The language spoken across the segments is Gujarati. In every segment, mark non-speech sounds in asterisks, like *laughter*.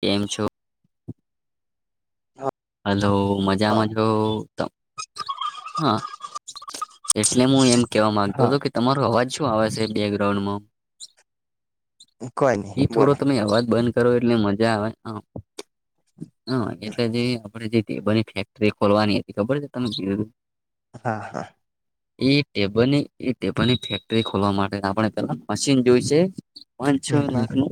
કેમ છો? હલો મજામાં હા છો તમ- હા એટલે મુ એમ કેવા માંગતો હતો કે તમારો અવાજ શું આવે છે, બેકગ્રાઉન્ડ માં કોઈ નહી એઈ થોડો બોલો તમે અવાજ બંધ કરો એટલે મજા આવે હ હા એટલે જે આપડ જે એ બની ફેક્ટરી ખોલવાની હતી ખબર છે, તમે કિ હા હા એ ટેબલની એ ટેબલની ફેક્ટરી ખોલવા માટે આપણે પેલા મશીન જોયશે પાંચ છ હમ હમ લાખનું.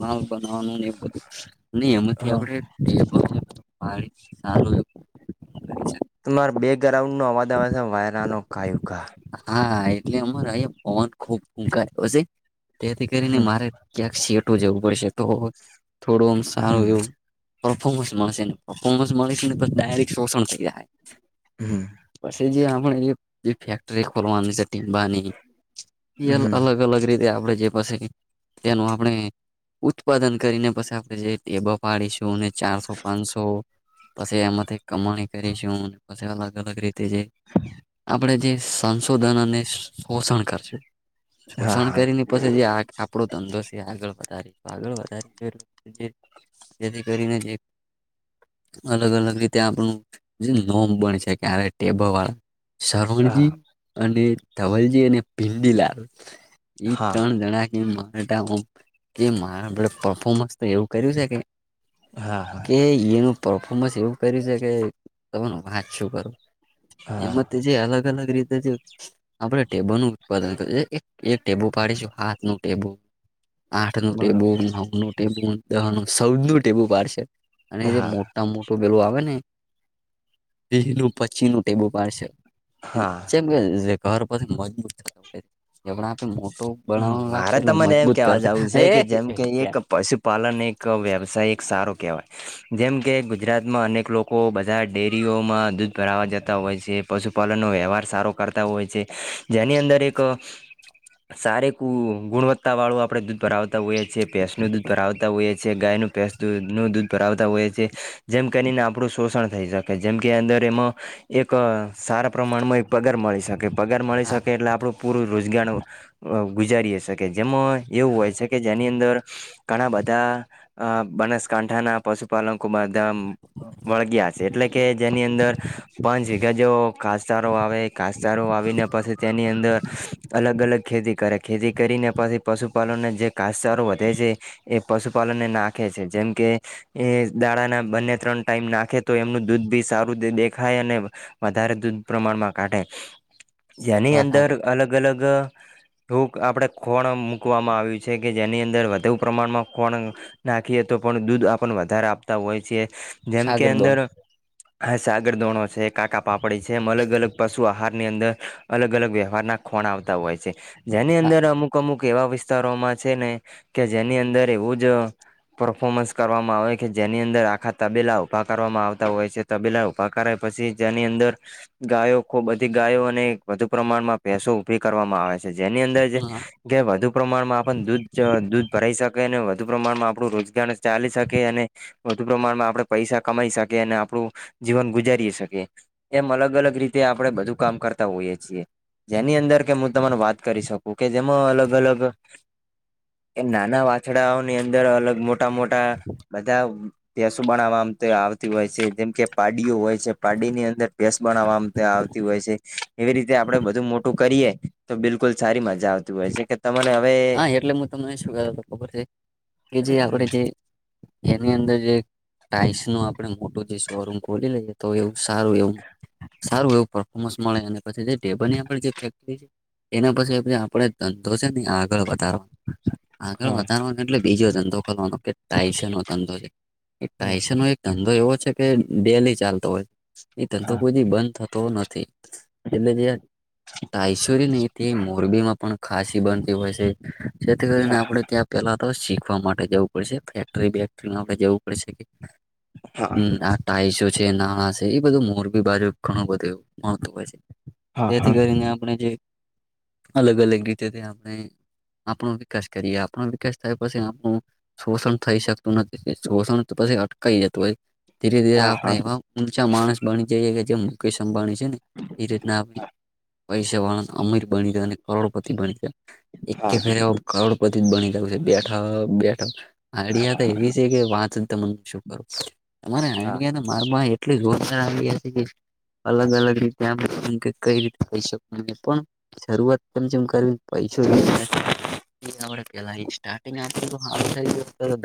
માલ બનાવાનું ને એ બધું નહી એમાંથી આપણેે સારું કરી શક તમારે બે ગ્રાઉન્ડ નો અવાજ આવે વાયરા નો ઘાયુઘા હા એટલે અમારે પવન ખુબૂકાય હ છે તેથી કરીને મારે ક્યાંક સેટું જવું પડશે તો થોડું આમ સારું હમ એવું પર્ફોર્મન્સ મળશે ને પર્ફોર્મન્સ મળશે ને ડાયરેક શોષણ થઈ જાય. હમ પછે જે આપણે એક જે ફેક્ટરી ખોલવાની છે ટીબાની એ હમ અલગ અલગ રીતે આપડે જે બસે તનુ આપણે ઉત્પાદન કરીને પછી આપણે જે ટેબ પાડીશું ચારસો પાંચસો પછી એમાંથી કમાણી કરીશું પછી અલગ અ અલગ રીતે જે આપણે જે સંશોધન અને શોષણ કર છેં હા શોષણ હા કરીને પછી જે આક આપણો ધંધો છે આગળ વધારીશ આગળ વધારી છે એટ જેથી કરીને જે અલગ અલગ રીતે આપણું નોમ બને છે. ત્યારે ટેબલ વાળ શવણજી અને ધવલજી અને ભીડીલાલ હા ત્રણ જણા ગમ એ કે મા પફન્સ તો એવું કર્યું છે કે હા હા કે એનું પરફોર્મન્સ એવું કર છે કે ત વાંચ શું કરો. હા એમાં જે અલગ અલગ રીતે જે આપણે ટેબો નું ઉત્પાદન કર ટેબુ પાડીશું હાથ નું ટેબુ આઠ નું ટેબુલ બરોબર નવ નું ટેબુલ દહનું સૌનું ટેબુ પડશે અને એ જે હા મો ત મોટું પેલું આવે ને બે નું પચી નું ટેબુ પડશે. હા જેમ કે જે ઘર પાછી મજબૂત થ મારે ત મને એમ મજબૂત કેવા કરશે જવું છે કે જેમ એ કે એક પશુપાલન એક ક વ્યવસાય એક સારો કહેવાય. જેમ કે ગુજરાતમાં અનેક લોકો બધા ડેરીઓમાં દૂધ ભરાવા જતા હોય છે. પશુપાલનનો વ્યવહાર સારો કરતા હોય છે જેની અંદર એક સાર ક ગુણવત્તા વાળું આપડે દૂધ ભરા હોય છે પેસ્ટ નું દૂધ ભરાવતા હોય છે ગાયનું પે નું દૂધ ભરાવતા હોય છે જેમ કરીને આપણું શોષણ થઈ શકે જેમ કે અંદર એમાં એક સારા પ્રમાણમાં એક પગાર મળી શકે પગાર મળી હા શકે એટલે આપણું પૂરું રોજગાર. ગુજારીએ શ કે જેમાં એવું હોય છે કે જેની અંદર. ઘણા બધા અ બનાસકાંઠા ના પશુ. પાલનકુમાર ધામ વળગયા છે એટલે કે જેની અંદર પાંચ જ કાસચારો આવે કાસચારો આવીને પછી તેની અંદર અલગ અલગ ખેતી કરે ખેતી કરીને પછી પશુપાલનને જે કાસચારો વધે છે. એ પશુપાલનને નાખે છે જેમ કે એ દાડા ના બંને ત્રણ ટાઈમ નાખે તો એમનું દૂધ બી સારું દેખાય અને વધારે દૂધ પ્રમાણમાં કાઢે જેની વાત અંદર હાચી અલગ અલગ ટૂક આપણે ખોણ મૂકવામાં આવ્યું છે કે જેની અંદર વધુ પ્રમાણમાં ખોણ નાખીએ તો પણ દૂધ આપ વધારે આપતા હોય છે. જેમ કે સાગર દોણ અંદર હ સાગર દોણો છે કાકા પાપડી છે એમ અલગ અલગ પશુ. આહારની અંદર અલગ અલગ વ્યવહારના ખોણ આવતા હોય છે જેની હા અંદર અમુક અુક અમુક એવા વિસ્તારોમાં છે ને કે જેની અંદર એવું જ પરફોર્મન્સ કરવામાં આવે કે જેની અંદર આખા તબેલા ઉભા કરવામાં આવતા હોય છે. તબેલા ઉપભા કરાય પછી જેની અંદર ગાયો ખૂબ બધી ગાયો અને વધુ પ્રમાણમાં ભેસો ઉઊભી કરવામાં આવે છે જેની અંદર હા કે વધુ પ્રમાણમાં આપ દૂધ દૂધ ભરાઈ શકે અને વધુ પ્રમાણમાં આપણું રોજગાર ચાલી શકે અને વધુ પ્રમાણમાં આપણે પૈસા કમાઈ શકીએ અને આપણું જીવન ગુજારી શકીએ એમ અલગ અલગ રીતે આપણે બધું કામ કરતા હોઈએ છીએ જેની અંદર કે હું તમાને વાત. કરી શકું કે જેમાં અલગ અલગ એ નાના વાછડાઓ ની અંદર અલગ મોટ મોટા મોટા બધા ભેસો બનાવવામ તો આવતી હોય છે જેમ કે પાડીઓ હોય. પાડી ની અંદર ભેસ બનાવવા આવતી હોય છે. એવી રીતે આપડે બધું મોટું કરીએ તો બિલકુલ સારી મજા આવતી હોય છે. તમાને હવે હા એટલે હું તમને શું કર ખબર છે કે જે આપણે જે એની અંદર જે ટાાઈલ્સ નો આપડે મોટો જે શોરૂમ ખોલી લઈએે તો એવું સારું એવું સારું એવું પફોર્મન્સ મળે અને પછી ડેબની જે ફેક્ટરી એના પછી પછી આપડ ધંધો છે ને આગ આગળ વધારવા આગળ હા વધારવાનું એટલે બીજો ધંધો ખોલવાનો કાયસ નો ધંધો છે કાયસ નો એક ધંધો એવો છે કે ડેલી ચાલતો હોય છે એ ધંધો હા કોઈ બી બંધ થતો નથી એટલે જે તાયસોરી ન મોરબી માં પણ ખાસી બંધ હોય છે જેથી કરીને આપડે ત્યાં પેલા તો શીખવા માટે જવું પડશે ફેક્ટરી બેક્ટરી માટે જવું પડશે કે હા હમ ટાઈસો છે નાણાં છે એ બધું મોરબી બાજુ ઘણું બધું એ મળતું હોય છે હા જેથી હા કરીને આપણે જે અલગ અલગ રીતે થ આપ આપણો વિકાસ કરીએ આપણો વિકાસ થાય પછી આપણો શોષણ થઈ શકતું નથી શોષણ તો પછી અટકાઈ જતું હોય ધીરે ધીરે આપણે હા એવા ઊંચા માણસ બની જઈએ કે જે મુકેશ અંબાણી એ રીતના આપ પૈસા વાળને અમીર બની કરોડપતિ બની ગયા એક હા ફેર કરોડપતિ જ બની જયું છે બેઠક બેઠ આડિયા તો હા એવી છે કે વાચ તમે શું કરો *unintelligible* અલગ અલગ રીતે આમ એમ કે કઈ રીતે કઈ શક ન પણ શરૂઆત કે જેમ કરવી પૈસા વિ કેલા સ્ટારિંગ હ થઈ બ *unintelligible*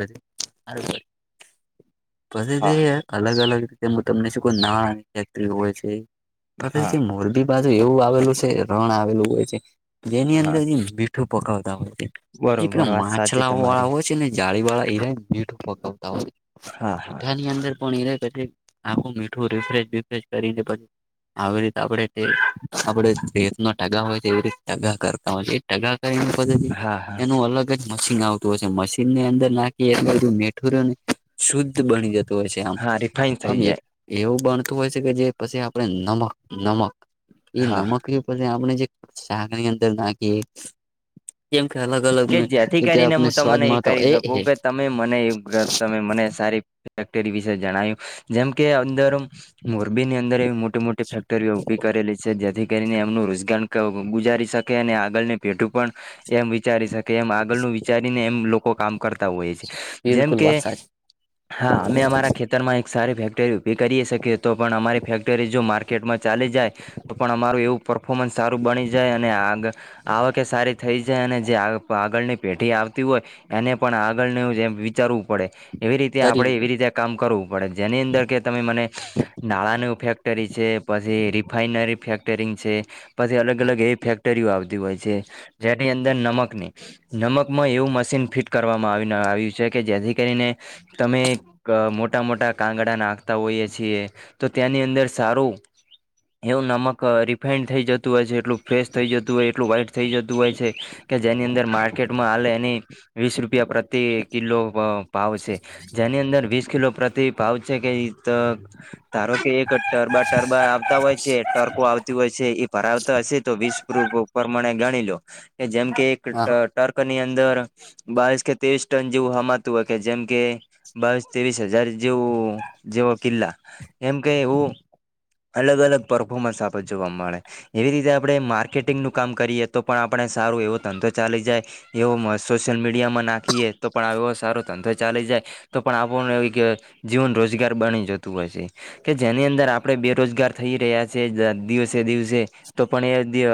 હા પસથી અલગ અલગ રીતે તમનેું કોઈ નવા ફેક્ટરી હોય છે પ હા કે મોરબી બાજુ એવું આવેલું છે રણ આવેલું હોય છે જેની હા અંદરથી મીઠું પકવતા હોય છે જે બરોબર વાત સાચી માછલા તમારી વાળા હોય છે ને જાળી વાળા એ ર મીઠું પકાવતા હોય હા હા મીઠા ની અંદર પણ એ આખું મીઠું રિફેશ બિફેશ કરીને આવી રીતે આપણે આપડે રેત ન ટગા હોય છે એવી રીતે ટગા કરતા હોય છે એ ટગા કરીને પધી હા હા એનું અલગ મશીન આવતું હય મશીન ની અંદર નાખી એટ બધું મેઠુરને શુદ્ધ બની જત હોય છે આમ હા રિફાઈન આમ થઈ એવું બનતું હોય છે કે જે પછી આપણે નમક નમક એ જાય હા નમક કરી આપણે જે શાકની અંદર નાખીએ કેમ કે અલગ અલગ કે જેથી રીતે કરીને આપને હું સ્વાદ તમને એ મળતા કરી હોય એ શકું કે તમે મને તમે મને સારી ફેક્ટરી વિશે જણાયું જેમ કે અંદર મોરબીની અંદર મોટી મોટી ફેક્ટરીઓ ઉભી કરેલી છે જેથી કરીને એમનું રોજગાર ગુજારી શકે અને આગળને પેઢું પણ એમ વિચારી શકે કે એમ આગળનું વિચારીને એમ લોકો કામ કરતા હોઈએ છેએ જેમ બિલકુલ કે વાત સાચી હા અમે અમારા ખેત તમાં એક સારી ફેક્ટરી ઉઊભી કરી શકીએ તો પણ અમારી ફેક્ટરી જો માર્કેટ કેટમાં ચાલી જાય તો પણ અમારું એવું પરફોર્મન્સ સારું બની જાય અને આ આવકે સારી થઈ જાય અને જે આગળની પેઢી આવતી હોય એને પણ આગળનું જે વિચારવું પડે એવી રીતે તરી આપણે એવી રીતે કામ કરવું પડે જેની અંદર કે તમે મને નાળાનું ફેક્ટરી છે પછી રિફાઈનરી ફેક્ટરી છે પછી અલગ હા અલગ એવી ફેક્ટરીઓ આવતી હોય છે જેની અંદર નમક નમકમાં એવું મશીન ફિટ કરવામાં આવી આવ્યું છે કે જેથી કરીને તમે મોટા મોટા કાંગડા નાખતા હોઈએ છીએ તો ત્યાંની અંદર સારું. એવું નમક રિફાાઈન્ડ થઈ જતું હોય છે એટલું ફ્રેશ થઈ જતું હોય છે એટલું વાાઈટ થઈ જતું હોય છે કે જેની અંદર માર્કેટમાં હાલે એની વીસ રૂપિયા પ્રતિ કિલો પાવ છે જેની અંદર વીસ કિલો પ્રતિ પાવ છે કે ધારો કે એક ટરબા ટરબા આવતા હોય છે ટર્કો આવતી હોય છે એ પરરા આવતા હશે તો વીસ પ્રમાણે ગણી લો કે જેમ કે એક હા ટર્ક ની અંદર બાવીશ કે ત્રેવીસ ટન જેવું હમાતું હોય કે જેમ કે બાવીસ ત્રેવીસ હજાર જેવું જેવો કિલ્લા એમ કે હું અલગ અલગ પરર્ફોર્મન્સ આપે જોવા મળે એવી રીતે આપણે માર્કેટિંગનું કામ કરીએ તો પણ આપણે સારું એવો ધંધો ચાલી જાય. એવો સોશિયલ મીડિયામાં નાખીએ તો પણ એવો સારો ધંધો ચાલી જાય. તો પણ આપણને એ કે જીવન રોજગાર બની જતું હોય છે. કે જેની અંદર આપડે બેરોજગાર થઈ રહ્યા છે દિવસે દિવસે તો પણ એ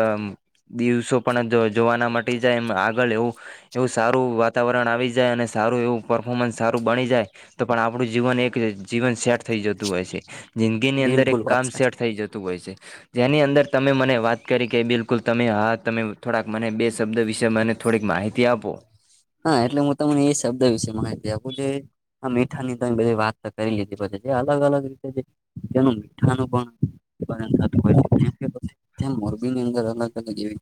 દિવસો પણ જોવાના મ જાય એમ આગળ એવું. એવું સારું વાતાવરણ આવી જાય અને સારું એવું પરફોર્મન્સ સારું બની જાય. તો પણ આપણું જીવન એક જીવન સેઠ. થઈ જતું હોય છે જિંદગીની અંદર એક બિલકુલ વાત કામ સાચી સેટ થઈ જતું હોય છે. જેની અંદર તમે મને વાત કરી કે બિલકુલ તમે હા તમે થોડાક મને બે શબ્દ વિશે મને થોડીક માહિતી આપો હા એટલે હું તમને એ શબ્દ વિશે માહિતી આપું જે આ મીઠા ની તોમે બધી વાત તો કરી લીધી પછી જે અલગ અલગ રીતે જે તેનું મીઠાનું પણ પરંત ત મોરબી ની અંદર અલગ અલગ એવી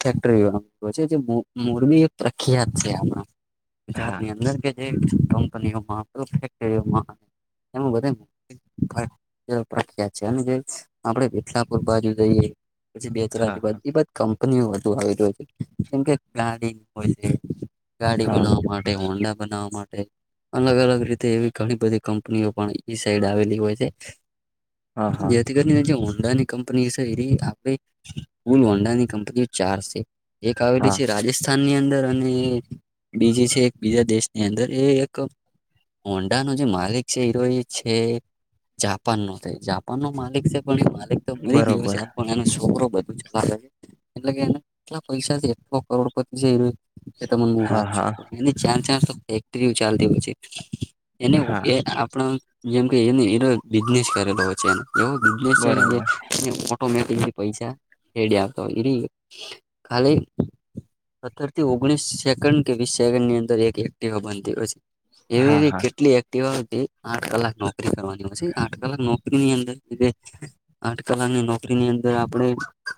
ફેક્ટરીવા છે જે મોરબી પ્રખ્યાત છે આણા ગુજરાત હા ની અંદર કે જે કંપનીઓમાં ફેક્ટરીઓમાં એ બધ. પ્રખ્યાત છે અને જો આપડે વિઠલાપુર બાજુ જઈએ. પછી બે ત્રજ હા બા એ બધ કંપનીઓ બુ આવી રહ્યું છે જેમકે ગાડી હોય છે ગાડી હા બનાવવા માટે હોંડા બનાવવા માટે અલગ અલગ રીતે એવી ઘણી બધી કંપનીઓ પણ ઈ સાઈડ આવેલી હોય છે. હા હા જેથી જે હોંડા ની કંપની છે એ આપે કુલ હોંડાની કંપનીઓ ચાર છે. એક આવેલી હા છે રાજેશ થાન ની અંદર અને બીજી છે એક બીજા દેશની અંદર એ એક હોંડાનો જે માલિક છે એરો એ છે. જાપાન નો થાય જાપાન નો માલિક છે પણ એ માલિક તો મરી ગયો છે. બરોબર પણ એનો છોકરો બધું ચલાવે છે એટલે કે એ કેટલા પૈસા એટ કરોડપતિ છે. એ તને હ હા વાત હા છું ચ ચ ફે્ટરી ચાલતી છે. એને હા એ આપ જેમ કે એને એનો બિઝનેસ કરેલો હો છે એ એવું બજલે છે બરોબર કે મે પી પૈસા રેડી આપતા હોય ખાલી. સત્તર થી ઓગણીસ સેકન્ડ કે વીસ સેકન્ડ ની અંદર એક્ટવા બનતી હોય છે. હા એવી હા કેટલી એક્ટવા આવ આઠ કલાક નોકરી કરવાની. પછી આઠ કલાક નોકરીની અંદર આઠ કલાકની નોકરી ની અંદર આપણેે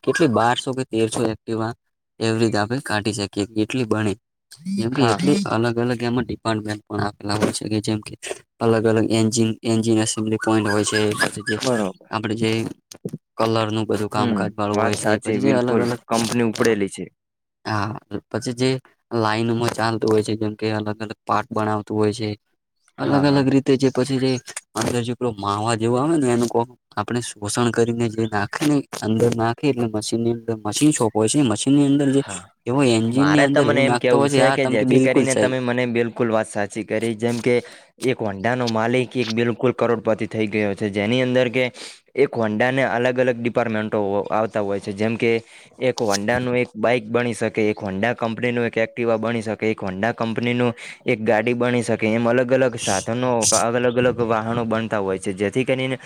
કેટલી બારસો કે તેરસો એક્ટવા એવ આપણે કાઢી શકીએ કેટલી બને જેમ કે હા હા એટલી અલગ અલગ એમાં ડિપાર્ટમે પણ આપેલા હોય છે કે જેમ. અલગ અલગ એજ એન્જિન એસેમ્બલી પોઈન્ટ હોય છેછ બરોબર આપણે જે. કલર નું બધું હમ કામકાજ વાળું વાત હોય એ સાચી બછી અલગ બિલકુલ અલગ કંપની ઉપડેલી છે હા પછી જે લાઈનમાં ચાલતું હોય છે જેમ કે અલગ અલગ પાર્ટ બનાવતું હોય છે. અલગ હા હા અલગ રીતે જે પછી જે અંદર જે માવા જેવો આવે ને એનું આપણે શોષણ કરીને જે નાખે ને અંદર નાખે એટલે મશીનની અંદર મશીન સોપ હોય છે મશીનની અંદર જે હા એવો એન્જિન ની મારે ત અંદર મને એવું એમ નાખતો કેવું હોય છે આ કે તમ જેથી બિલકુલ કરીને સહી તમે મને બિલકુલ વાત સાચી કરી જેમ કે એક હોન્ડા નો માલિક એક બિલકુલ કરોડપતિ થઈ ગયો છે જેની અંદર કે એક હોન્ડાને અલગ અલગ ડિપાર્ટમેન્ટો આવતા હોય છે જેમ કે એક હોન્ડાનું એક બની શકે એક હોંડા કંપનીનું એક્ટિવા બની શકે એક હોંડા કંપનીનું એક ગાડી બની શકે એમ અલગ અલગ સાધનો અલગ અલગ વાહનો બનતા હોય છે જેથી કરીને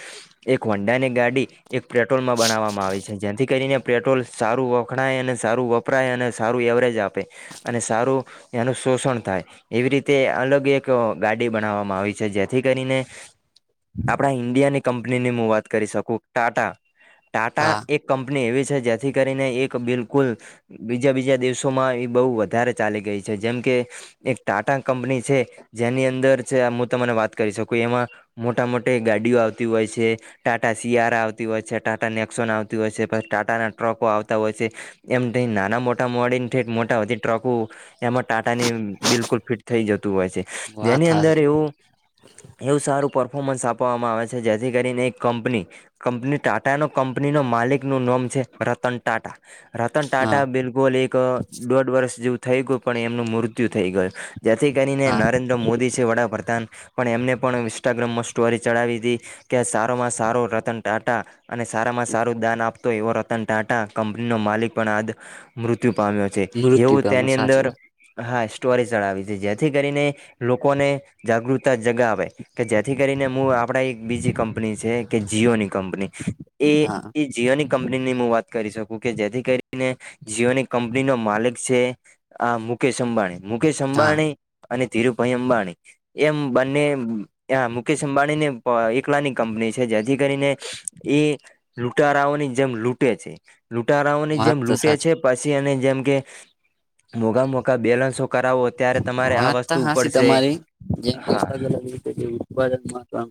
એક હોન્ડાની ગાડી એક પેટ્રોલ માં બનાવવામાં આવે છે જેથી કરીને પેટ્રોલ સારું વખણાય અને સારું વપરાય અને સારું એવરેજ આપે અને સારું એનું શોષણ થાય એવી રીતે અલગ એક ગાડી બનાવવામાં આવી છે જેથી કરીને આપણા ઈન્ડિયાની કંપની ની હું વાત કરી શકું ટાટા ટાટા હા એક કંપની એવી છે જેથી કરીને એક બિલ કુલ બીજા બીજા દેશોમાં એ બહુ વધારે ચાલી ગઈ છે જેમ કે એક ટાટા કંપની છે જેની અંદર છે હું તને વાત કરી શકું એમાં મોટા મોટી ગાડીઓ આવતી હોય છે. ટાટા સીઆરા આવતી હોય છે ટાટા નેક્સોન આવતી હોય છે પછી ટાટાના ટ્રકો આવતા હોય છે. એમ થઇ ને નાના મોટા મોડલ *unintelligible* મોટા બધી ટ્રકો એમાં ટાટાની બિલકુલ ફિટ થઈ જતું હોય છે વાત જેની અંદર હાચી એવું એવું સારું પરફોર્મન્સ આપવામાં આવે છે જેથી કરીને એક કંપની કંપની ટાટા નો કંપની નો માલિક નું નામ છે રતન ટાટા. રતન હા ટાટા બિલકુલ એક દોઢ વર્ષ જેવું થઈ ગયું પણ એમનું મૃત્યુ થઈ ગયું. જેથી કરીને હા નરેન્દ્ર મોદી છે વડાપ્રધાન પણ એમને પણ ઇન્સ્ટાગ્રામમાં સ્ટોરી ચડાવી હતી. કે સારો માં સારો રતન ટાટા અને સારામાં સારું દાન આપતો એવો રતન ટાંટા કંપનીનો માલિક પણ આજ મૃત્યુ પામ્યો છે. મૃત્યુ એવું પામે તેની સાચી અંદર વાત હા સ્ટોરી ચડાવી છે જેથી કરીને લોકોને જાગૃતતા જગાવે કે જેથી કરીને હું આપણા એક બીજી કંપની છે કે જીઓની કંપની. એ હા એ જીઓની કંપની ની હું વાત કરી શકું કે જેથી કરીને જીઓની કંપની નો માલિક છે આ મુકેશ અંબાણી મુકેશ હા અંબાણી અને ધીરુભાઈ અંબાણી એમ બંને ત્યાં મુકેશ અંબાણી ને એકલા ની કંપની છે જેથી કરીને એ લૂંટારાઓની જેમ લૂંટે છે લૂંટારાઓ વાત જેમ તો લૂટે સાચી છે પછી અને જેમ કે મોઘા મોઘા બેલેન્સો કરાવો ત્યારે તમારે આ વાત તો વસ્તુ હાસી ઉપડશે તમારી જેમ કે હા અલગ અલગ રીતે ઉત્પાદન માં